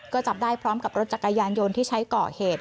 ก็จับได้พร้อมกับรถจักรยานยนต์ที่ใช้ก่อเหตุ